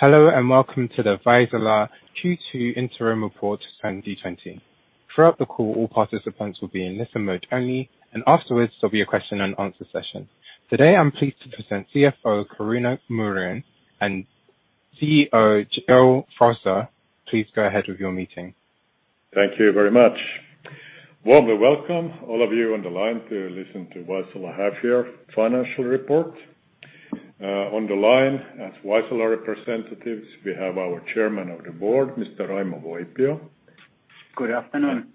Hello, and welcome to the Vaisala Q2 Interim Report 2020. Throughout the call, all participants will be in listen mode only. Afterwards there'll be a question and answer session. Today, I'm pleased to present CFO, Kaarina Muurinen, and CEO, Kjell Forsén. Please go ahead with your meeting. Thank you very much. Warmly welcome all of you on the line to listen to Vaisala Half-year Financial Report. On the line as Vaisala representatives, we have our Chairman of the Board, Mr. Raimo Voipio. Good afternoon.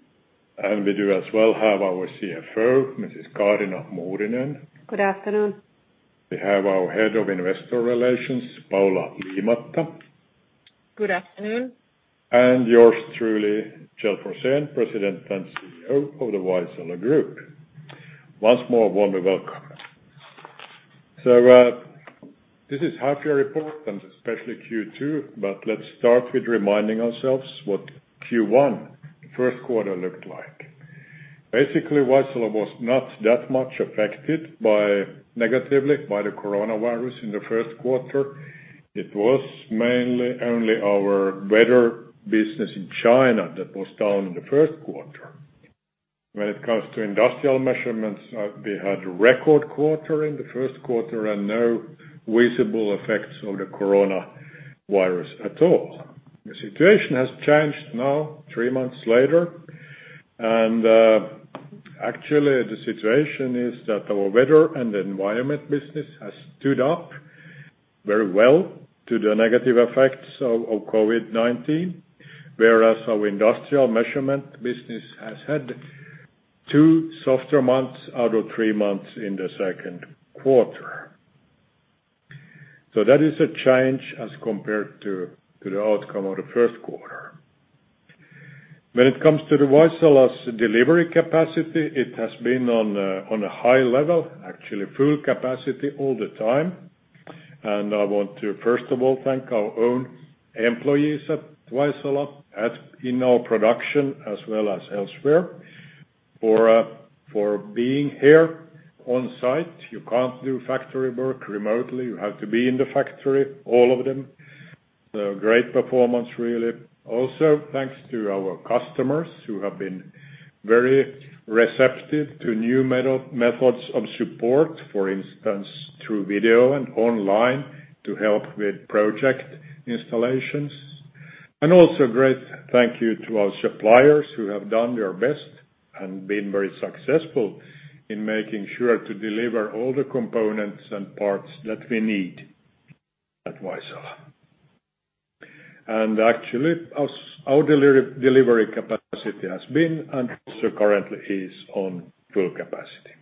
We do as well have our CFO, Mrs. Kaarina Muurinen. Good afternoon. We have our Head of Investor Relations, Paula Liimatta. Good afternoon. Yours truly, Kjell Forsén, President and CEO of the Vaisala Group. Once more, warmly welcome. This is half-year report, and especially Q2, but let's start with reminding ourselves what Q1, first quarter looked like. Basically, Vaisala was not that much affected negatively by the coronavirus in the first quarter. It was mainly only our weather business in China that was down in the first quarter. When it comes to industrial measurements, we had a record quarter in the first quarter and no visible effects of the coronavirus at all. The situation has changed now, three months later, and actually, the situation is that our weather and environment business has stood up very well to the negative effects of COVID-19, whereas our industrial measurement business has had two softer months out of three months in the second quarter. That is a change as compared to the outcome of the first quarter. When it comes to the Vaisala's delivery capacity, it has been on a high level, actually full capacity all the time. I want to first of all thank our own employees at Vaisala in our production as well as elsewhere for being here on site. You can't do factory work remotely. You have to be in the factory, all of them. Great performance really. Also, thanks to our customers who have been very receptive to new methods of support, for instance, through video and online to help with project installations. Also great thank you to our suppliers who have done their best and been very successful in making sure to deliver all the components and parts that we need at Vaisala. Actually, our delivery capacity has been, and also currently is on full capacity.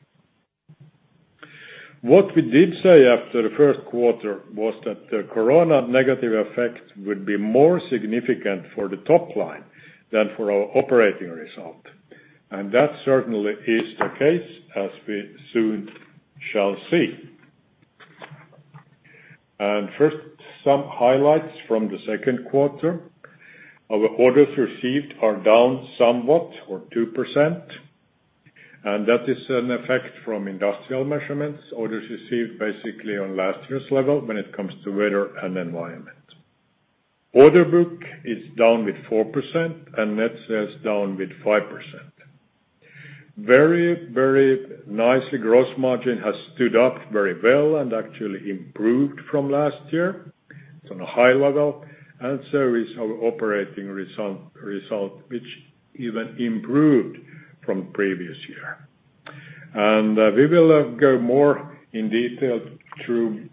What we did say after the first quarter was that the corona negative effect would be more significant for the top line than for our operating result. That certainly is the case as we soon shall see. First, some highlights from the second quarter. Our orders received are down somewhat or 2%, and that is an effect from industrial measurements. Orders received basically on last year's level when it comes to weather and environment. Order book is down with 4% and net sales down with 5%. Very nicely, gross margin has stood up very well and actually improved from last year. It's on a high level, and so is our operating result, which even improved from previous year. We will go more in detail through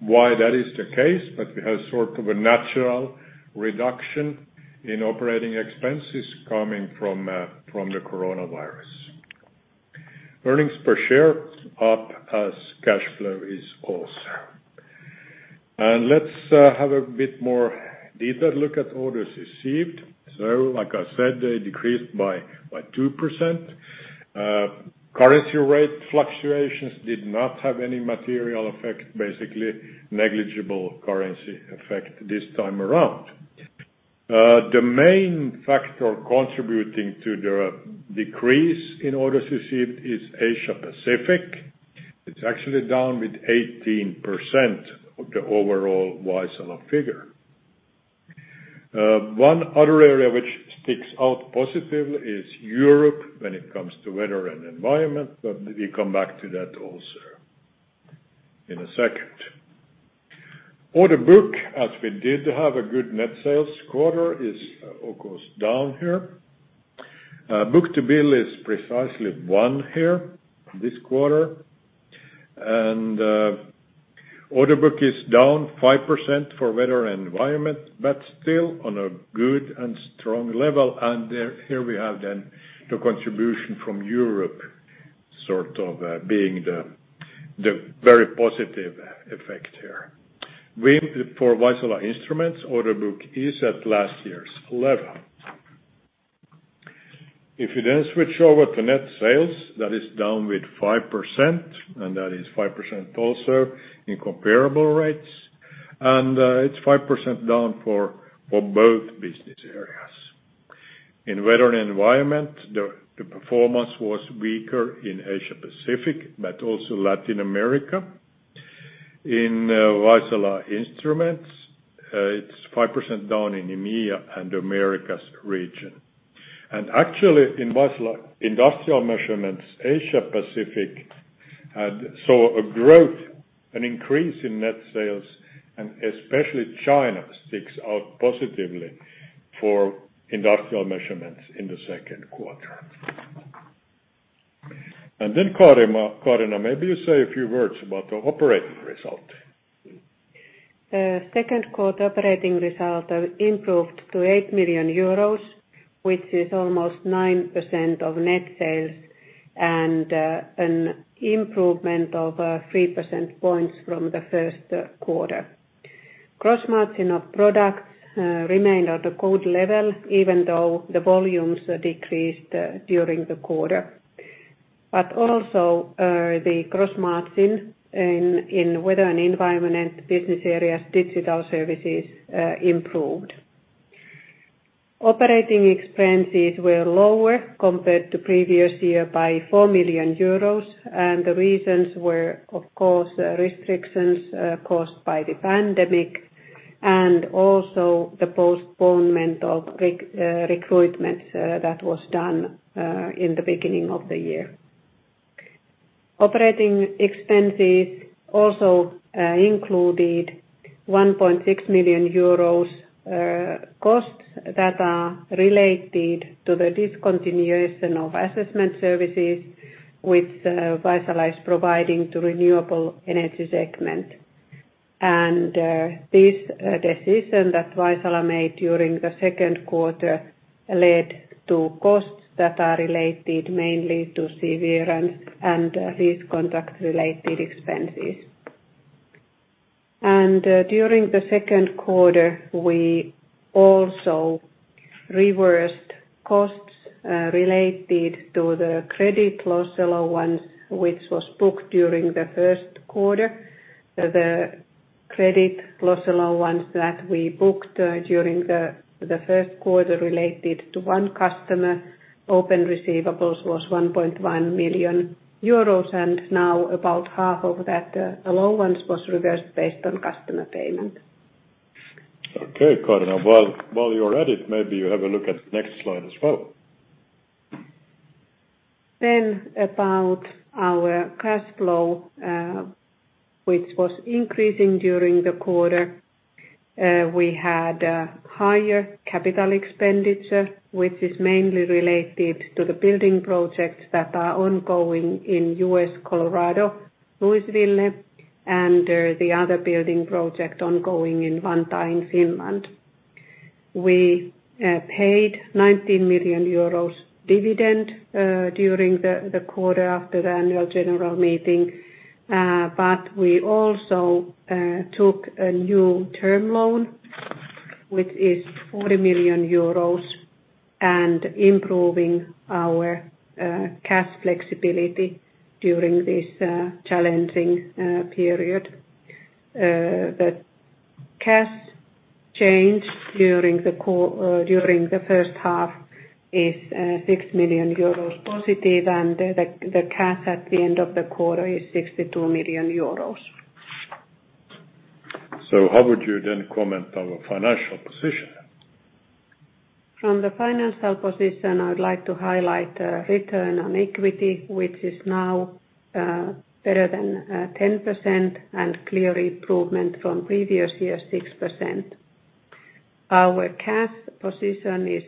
why that is the case, but we have sort of a natural reduction in operating expenses coming from the coronavirus. Earnings per share up as cash flow is also. Let's have a bit more detailed look at orders received. Like I said, they decreased by 2%. Currency rate fluctuations did not have any material effect, basically negligible currency effect this time around. The main factor contributing to the decrease in orders received is Asia-Pacific. It's actually down with 18% of the overall Vaisala figure. One other area which sticks out positive is Europe when it comes to weather and environment, but we come back to that also in a second. Order book, as we did have a good net sales quarter, is of course, down here. Book-to-bill is precisely one here this quarter. Order book is down 5% for weather and environment, but still on a good and strong level. Here we have then the contribution from Europe sort of being the very positive effect here. For Vaisala Instruments, order book is at last year's level. If you then switch over to net sales, that is down with 5%, and that is 5% also in comparable rates, and it's 5% down for both business areas. In weather and environment, the performance was weaker in Asia-Pacific, but also Latin America. In Vaisala Instruments, it's 5% down in EMEA and Americas region. Actually in Vaisala Industrial Measurements, Asia-Pacific had saw a growth, an increase in net sales, and especially China sticks out positively for industrial measurements in the second quarter. Kaarina, maybe you say a few words about the operating result. The second quarter operating result have improved to 8 million euros, which is almost 9% of net sales and an improvement of 3 percentage points from the first quarter. Gross margin of products remained at a good level, even though the volumes decreased during the quarter. Also, the gross margin in weather and environment business areas, digital services, improved. Operating expenses were lower compared to previous year by 4 million euros, the reasons were, of course, restrictions caused by the pandemic and also the postponement of recruitment that was done in the beginning of the year. Operating expenses also included 1.6 million euros costs that are related to the discontinuation of assessment services, which Vaisala is providing to renewable energy segment. This decision that Vaisala made during the second quarter led to costs that are related mainly to severance and contract-related expenses. During the second quarter, we also reversed costs related to the credit loss allowance which was booked during the first quarter. The credit loss allowance that we booked during the first quarter related to one customer, open receivables was 1.1 million euros, and now about 1/2 of that allowance was reversed based on customer payment. Okay, Kaarina. While you're at it, maybe you have a look at the next slide as well. About our cash flow, which was increasing during the quarter. We had higher capital expenditure, which is mainly related to the building projects that are ongoing in U.S., Colorado, Louisville, and the other building project ongoing in Vantaa, in Finland. We paid 19 million euros dividend during the quarter after the annual general meeting. We also took a new term loan, which is 40 million euros and improving our cash flexibility during this challenging period. The cash change during the first half is 6 million euros positive, and the cash at the end of the quarter is 62 million euros. How would you then comment our financial position? From the financial position, I would like to highlight return on equity, which is now better than 10% and clear improvement from previous year's 6%. Our cash position is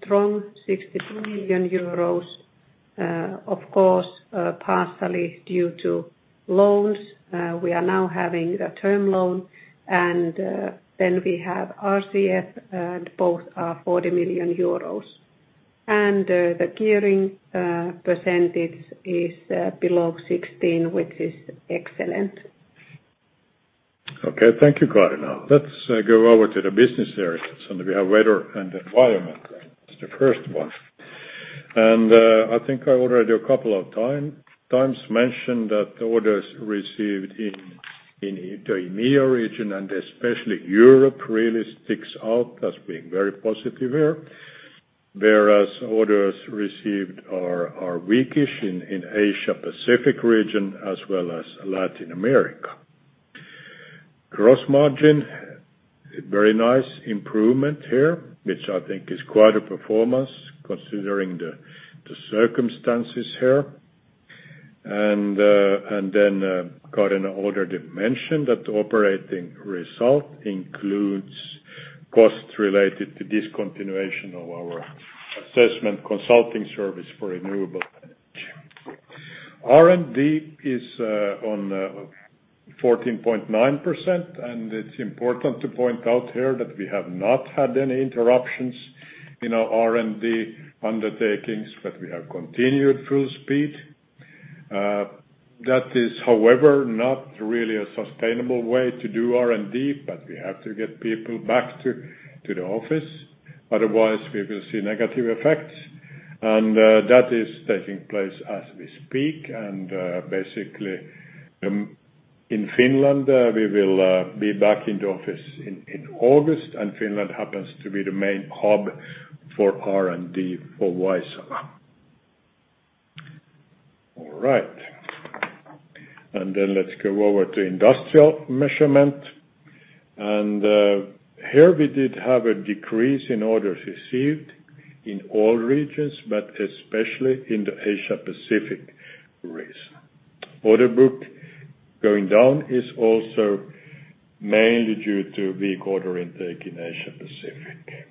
strong, 62 million euros, of course, partially due to loans. We are now having a term loan, and then we have RCF, and both are 40 million euros. The gearing percentage is below 16%, which is excellent. Okay. Thank you, Kaarina. Let's go over to the business areas. We have weather and environment. It is the first one. I think I already a couple of times mentioned that the orders received in the EMEA region and especially Europe really sticks out as being very positive here. Whereas orders received are weakish in Asia-Pacific region as well as Latin America. Gross margin, very nice improvement here, which I think is quite a performance considering the circumstances here. Kaarina already mentioned that the operating result includes costs related to discontinuation of our assessment consulting service for renewable energy. R&D is on 14.9%. It is important to point out here that we have not had any interruptions in our R&D undertakings, but we have continued full speed. That is, however, not really a sustainable way to do R&D, but we have to get people back to the office. Otherwise, we will see negative effects. That is taking place as we speak. Basically, in Finland, we will be back into office in August, and Finland happens to be the main hub for R&D for Vaisala. All right. Let's go over to industrial measurement. Here we did have a decrease in orders received in all regions, but especially in the Asia-Pacific region. Order book going down is also mainly due to weak order intake in Asia-Pacific.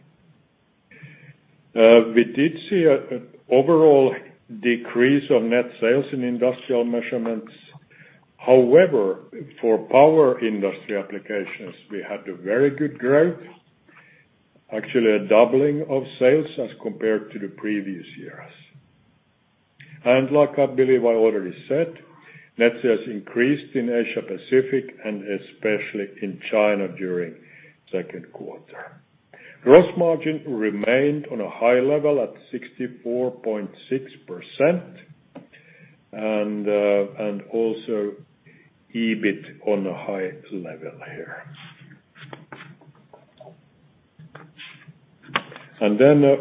We did see an overall decrease of net sales in industrial measurements. For power industry applications, we had a very good growth, actually a doubling of sales as compared to the previous years. Like I believe I already said, net sales increased in Asia-Pacific and especially in China during second quarter. Gross margin remained on a high level at 64.6%, and also EBIT on a high level here.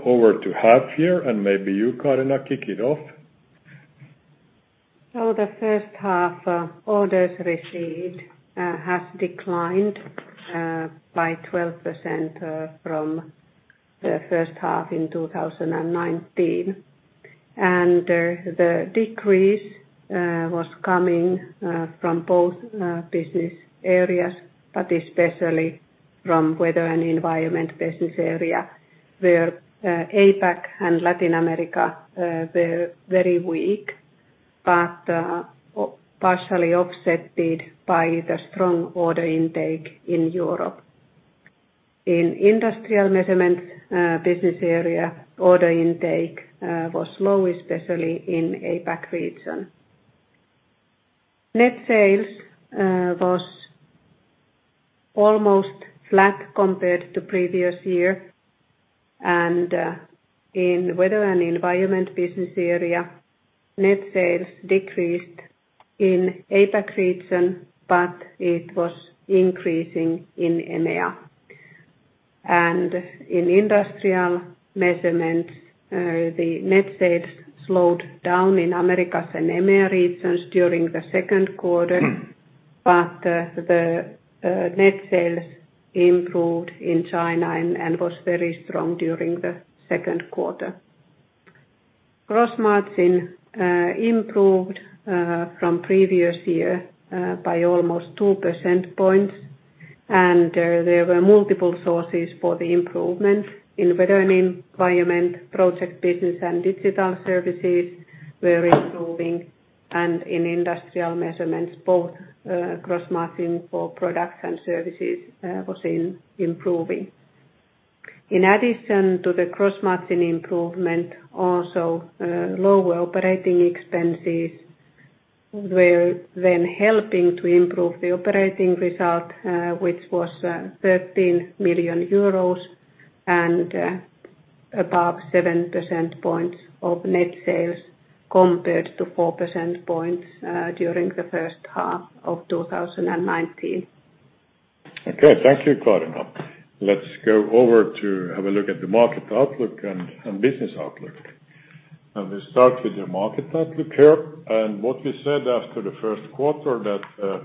Over to half year, and maybe you, Kaarina, kick it off. The first half orders received has declined by 12% from the first half in 2019. The decrease was coming from both business areas, but especially from weather and environment business area, where APAC and Latin America were very weak, but partially offset by the strong order intake in Europe. In industrial measurements business area, order intake was low, especially in APAC region. Net sales was almost flat compared to previous year. In weather and environment business area, net sales decreased in APAC region, but it was increasing in EMEA. In industrial measurements, the net sales slowed down in Americas and EMEA regions during the second quarter, but the net sales improved in China and was very strong during the second quarter. Gross margin improved from previous year by almost 2 percent points. There were multiple sources for the improvement in Weather and Environment, project business and digital services were improving. In Industrial Measurements, both gross margin for products and services was improving. In addition to the gross margin improvement, also lower operating expenses were then helping to improve the operating result, which was 13 million euros and above 7 percent points of net sales compared to four percent points during the first half of 2019. Okay. Thank you, Kaarina. Let's go over to have a look at the market outlook and business outlook. We start with the market outlook here. What we said after the first quarter that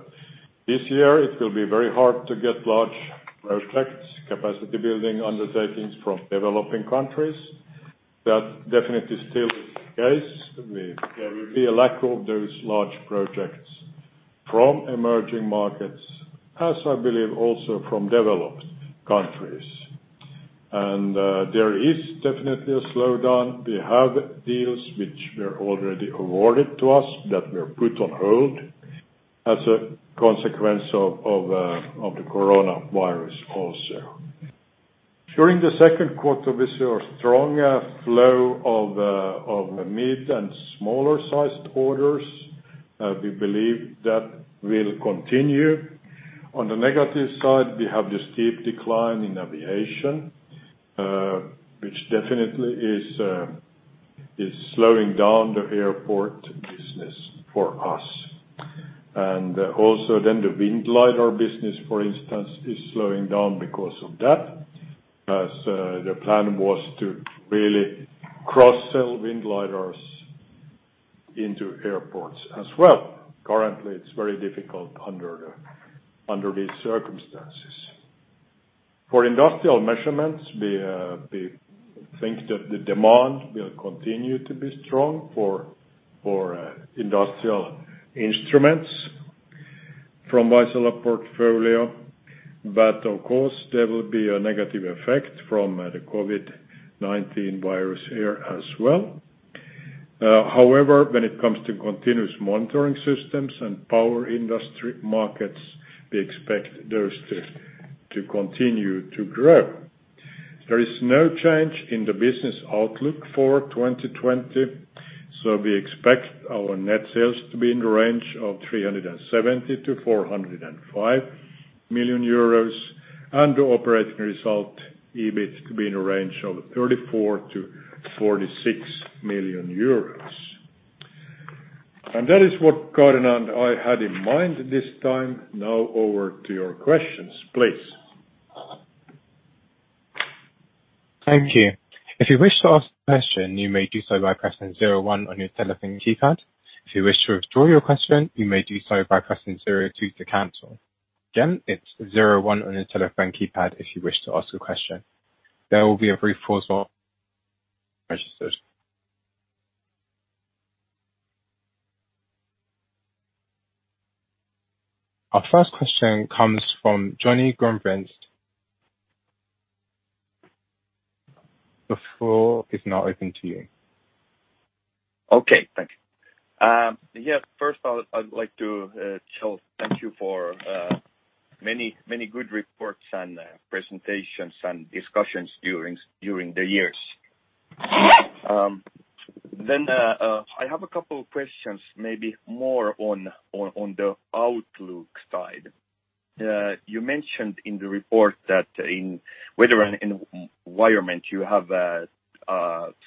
this year it will be very hard to get large projects, capacity building undertakings from developing countries. That definitely still is the case. There will be a lack of those large projects from emerging markets, as I believe also from developed countries. There is definitely a slowdown. We have deals which were already awarded to us that were put on hold as a consequence of the coronavirus also. During the second quarter, we saw a strong flow of mid- and smaller-sized orders. We believe that will continue. On the negative side, we have the steep decline in aviation, which definitely is slowing down the airport business for us. The wind lidar business, for instance, is slowing down because of that, as the plan was to really cross-sell wind lidars into airports as well. Currently, it's very difficult under these circumstances. For industrial measurements, we think that the demand will continue to be strong for industrial instruments from Vaisala portfolio. Of course, there will be a negative effect from the COVID-19 virus here as well. However, when it comes to continuous monitoring systems and power industry markets, we expect those to continue to grow. There is no change in the business outlook for 2020. We expect our net sales to be in the range of 370 million-405 million euros, and the operating result, EBIT, to be in a range of 34 million-46 million euros. That is what Kaarina and I had in mind this time. Over to your questions, please. Thank you. If you wish to ask a question, you may do so by pressing zero one on your telephone keypad. If you wish to withdraw your question, you may do so by pressing zero two to cancel. Again, it's zero one on your telephone keypad if you wish to ask a question. There will be a brief pause while registered. Our first question comes from Johnny Granqvist. The floor is now open to you. Thank you. First I'd like to tell thank you for many good reports and presentations and discussions during the years. I have a couple of questions, maybe more on the outlook side. You mentioned in the report that in weather and environment, you have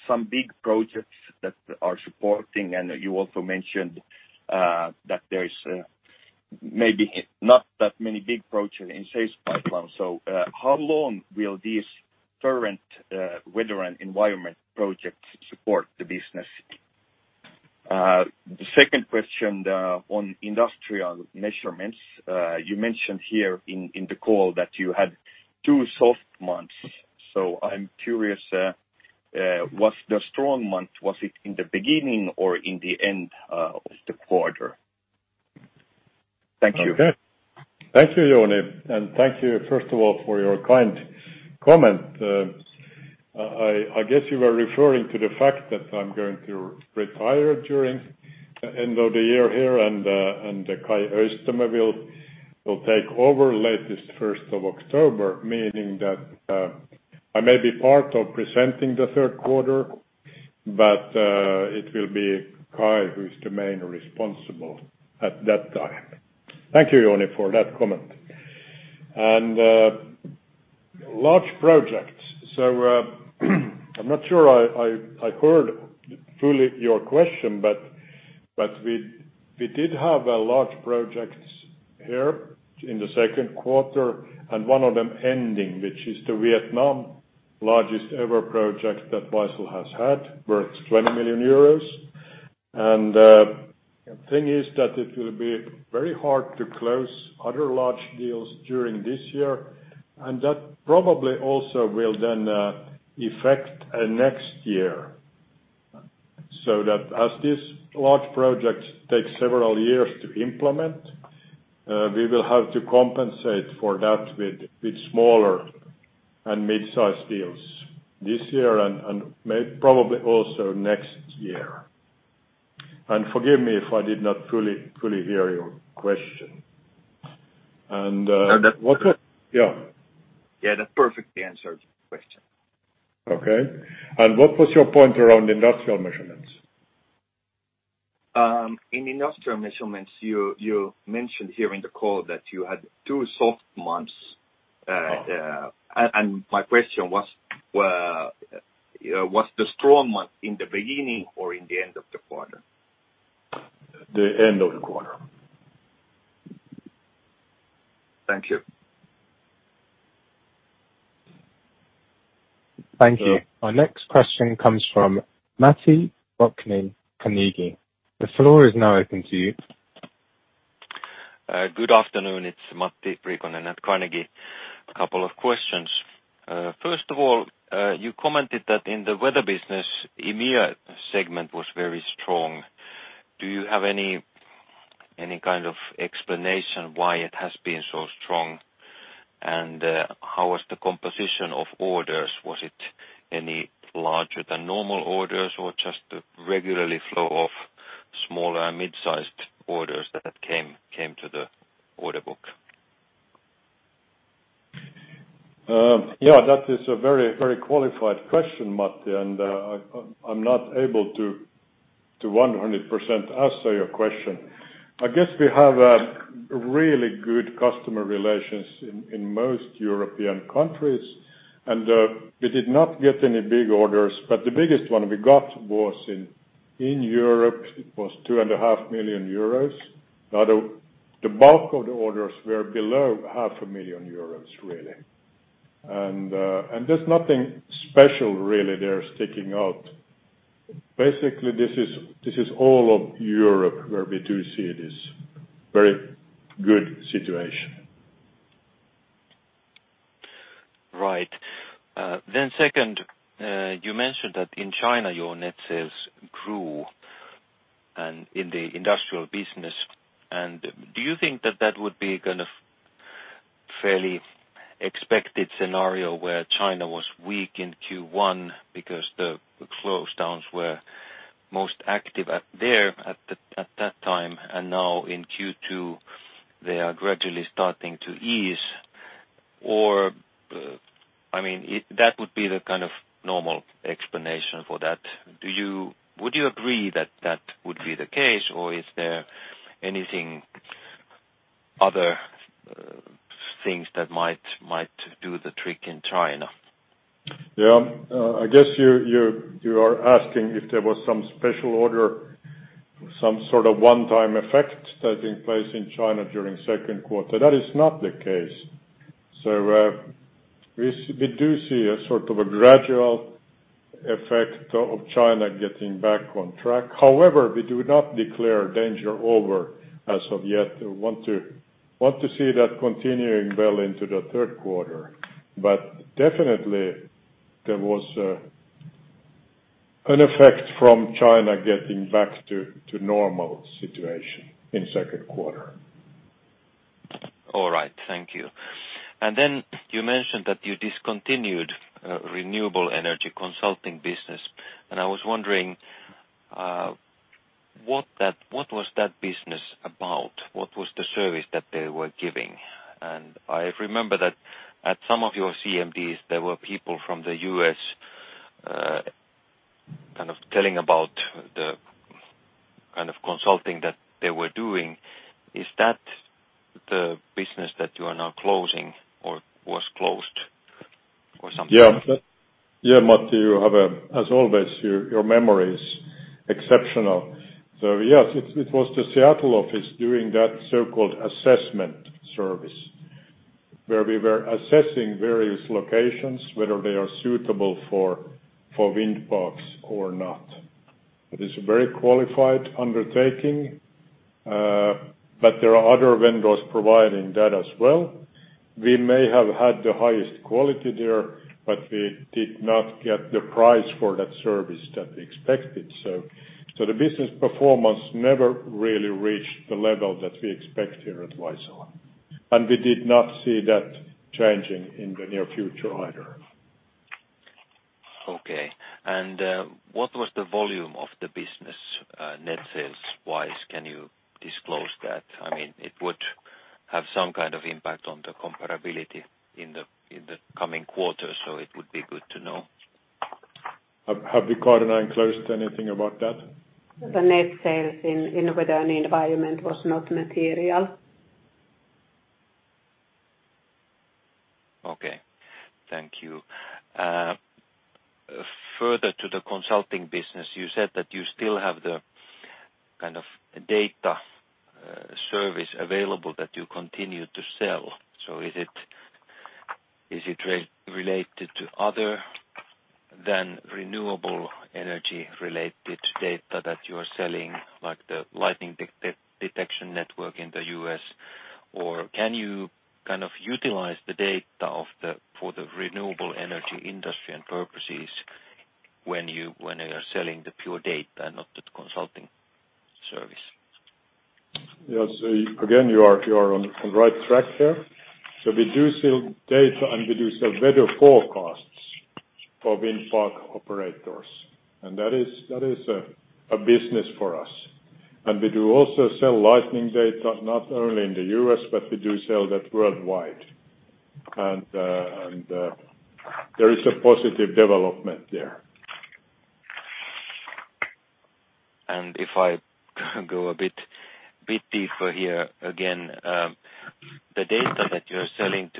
some big projects that are supporting, and you also mentioned that there is maybe not that many big projects in sales pipeline. How long will these current weather and environment projects support the business? The second question on industrial measurements. You mentioned here in the call that you had two soft months. I'm curious, was the strong month in the beginning or in the end of the quarter? Thank you. Okay. Thank you, Johnny, thank you first of all for your kind comment. I guess you were referring to the fact that I'm going to retire during the end of the year here. Kai Öistämö will take over latest 1st of October, meaning that I may be part of presenting the third quarter, it will be Kai who is the main responsible at that time. Thank you, Johnny, for that comment. Large projects. I'm not sure I heard fully your question. We did have large projects here in the second quarter, one of them ending, which is the Vietnam largest-ever project that Vaisala has had, worth 20 million euros. The thing is that it will be very hard to close other large deals during this year, and that probably also will then affect next year, so that as this large project takes several years to implement, we will have to compensate for that with smaller and mid-size deals this year and probably also next year. Forgive me if I did not fully hear your question. No, that-. What was? Yeah. Yeah, that perfectly answers the question. Okay. What was your point around industrial measurements? In industrial measurements, you mentioned here in the call that you had two soft months. Oh. My question was the strong month in the beginning or in the end of the quarter? The end of the quarter. Thank you. Thank you. Our next question comes from Matti Riikonen, Carnegie. The floor is now open to you. Good afternoon. It's Matti Riikonen at Carnegie. A couple of questions. First of all, you commented that in the weather business, EMEA segment was very strong. Do you have any kind of explanation why it has been so strong? How was the composition of orders? Was it any larger than normal orders or just the regular flow of smaller and mid-sized orders that came to the order book? Yeah, that is a very qualified question, Matti. I'm not able to 100% answer your question. I guess we have a really good customer relations in most European countries. We did not get any big orders, but the biggest one we got was in Europe. It was 2.5 million euros. The bulk of the orders were below 500,000 euros, really. There's nothing special really there sticking out. Basically, this is all of Europe where we do see this very good situation. Right. Second, you mentioned that in China, your net sales grew and in the industrial business. Do you think that that would be kind of fairly expected scenario where China was weak in Q1 because the close downs were most active up there at that time, and now in Q2, they are gradually starting to ease? That would be the kind of normal explanation for that. Would you agree that that would be the case, or is there anything other things that might do the trick in China? Yeah. I guess you are asking if there was some special order, some sort of one-time effect taking place in China during second quarter. That is not the case. We do see a gradual effect of China getting back on track. However, we do not declare danger over as of yet. We want to see that continuing well into the third quarter. Definitely, there was an effect from China getting back to normal situation in second quarter. All right, thank you. You mentioned that you discontinued renewable energy consulting business, I was wondering, what was that business about? What was the service that they were giving? I remember that at some of your CMDs, there were people from the U.S. telling about the kind of consulting that they were doing. Is that the business that you are now closing or was closed or something? Yeah, Matti, as always, your memory is exceptional. Yes, it was the Seattle office doing that so-called assessment service, where we were assessing various locations, whether they are suitable for wind parks or not. It is a very qualified undertaking, there are other vendors providing that as well. We may have had the highest quality there, we did not get the price for that service that we expected. The business performance never really reached the level that we expect here at Vaisala, and we did not see that changing in the near future either. Okay. What was the volume of the business, net sales-wise? Can you disclose that? It would have some kind of impact on the comparability in the coming quarter. It would be good to know. Have we, Kaarina, enclosed anything about that? The net sales in weather and environment was not material. Okay. Thank you. Further to the consulting business, you said that you still have the kind of data service available that you continue to sell. Is it related to other than renewable energy-related data that you're selling, like the lightning detection network in the U.S., or can you utilize the data for the renewable energy industry and purposes when you are selling the pure data and not the consulting service? Yes. Again, you are on the right track there. We do sell data, and we do sell weather forecasts for wind park operators. That is a business for us. We do also sell lightning data, not only in the U.S., but we do sell that worldwide. There is a positive development there. If I go a bit deeper here, again, the data that you're selling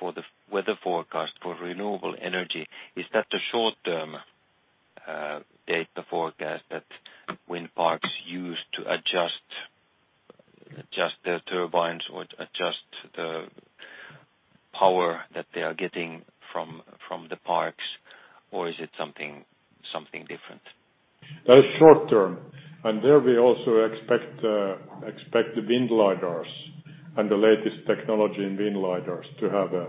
for the weather forecast for renewable energy, is that the short-term data forecast that wind parks use to adjust their turbines or adjust the power that they are getting from the parks, or is it something different? That is short-term. There we also expect the wind lidars and the latest technology in wind lidars to have a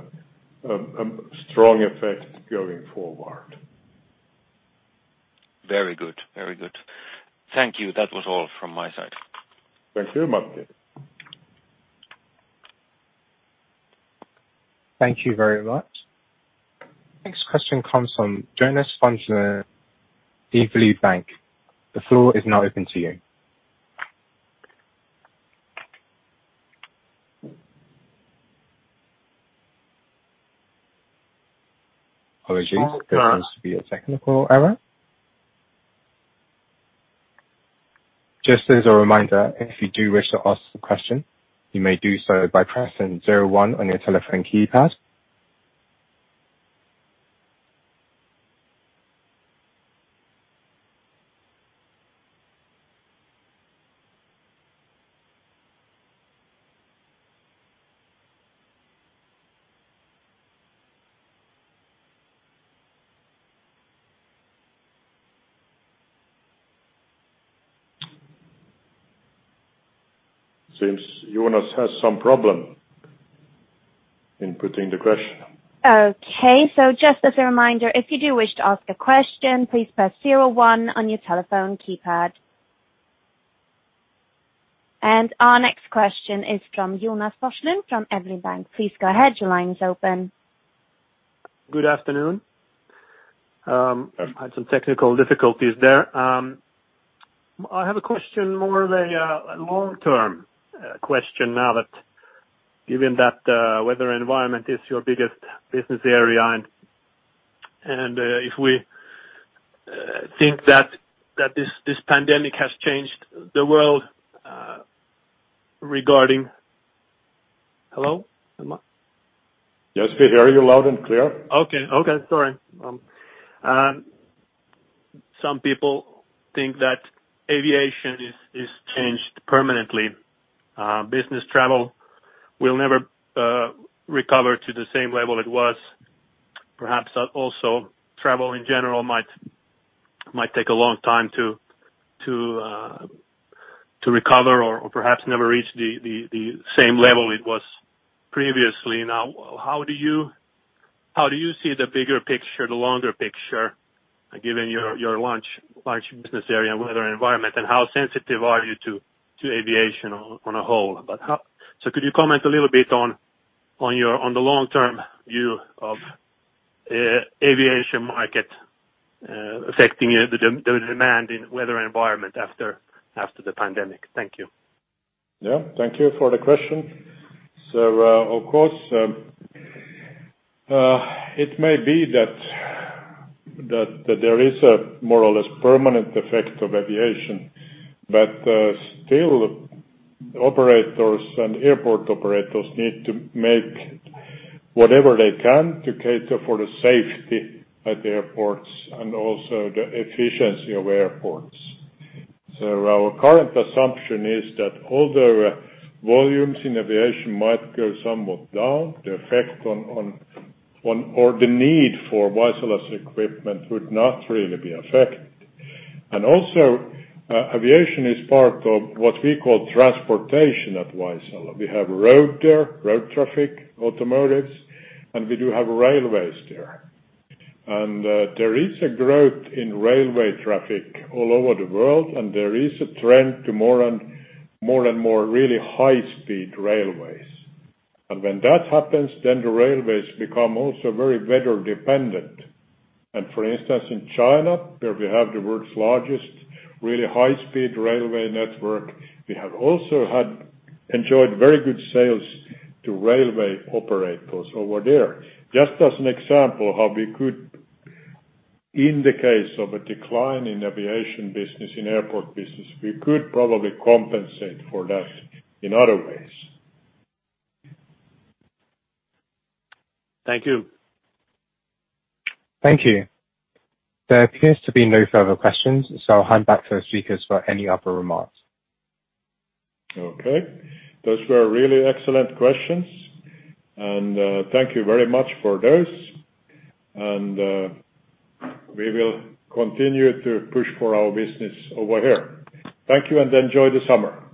strong effect going forward. Very good. Thank you. That was all from my side. Thank you, Matti. Thank you very much. Next question comes from Jonas Forslund, Evli Bank. The floor is now open to you. Apologies. There seems to be a technical error. Just as a reminder, if you do wish to ask the question, you may do so by pressing zero one on your telephone keypad. Seems Jonas has some problem inputting the question. Okay. Just as a reminder, if you do wish to ask a question, please press zero one on your telephone keypad. Our next question is from Jonas Forslund, from Evli Bank. Please go ahead. Your line is open. Good afternoon. I had some technical difficulties there. I have a question, more of a long-term question now that given that weather environment is your biggest business area, and if we think that this pandemic has changed the world. Yes, we hear you loud and clear. Okay. Sorry. Some people think that aviation is changed permanently. Business travel will never recover to the same level it was. Perhaps also travel, in general, might take a long time to recover or perhaps never reach the same level it was previously. Now, how do you see the bigger picture, the longer picture, given your large business area, weather environment, and how sensitive are you to aviation on a whole? Could you comment a little bit on the long-term view of aviation market affecting the demand in weather environment after the pandemic? Thank you. Yeah, thank you for the question. Of course, it may be that there is a more or less permanent effect of aviation. Still, operators and airport operators need to make whatever they can to cater for the safety at the airports and also the efficiency of airports. Our current assumption is that although volumes in aviation might go somewhat down, the effect on or the need for Vaisala's equipment would not really be affected. Also, aviation is part of what we call transportation at Vaisala. We have road there, road traffic, automotives, and we do have railways there. There is a growth in railway traffic all over the world, and there is a trend to more and more really high-speed railways. When that happens, then the railways become also very weather dependent. For instance, in China, where we have the world's largest really high-speed railway network, we have also enjoyed very good sales to railway operators over there. As an example, how we could, in the case of a decline in aviation business, in airport business, we could probably compensate for that in other ways. Thank you. Thank you. There appears to be no further questions, so I'll hand back to the speakers for any other remarks. Okay. Those were really excellent questions and thank you very much for those. We will continue to push for our business over here. Thank you and enjoy the summer.